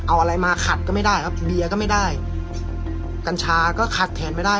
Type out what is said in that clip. เอาอะไรมาขัดก็ไม่ได้ครับเบียร์ก็ไม่ได้กัญชาก็ขัดแทนไม่ได้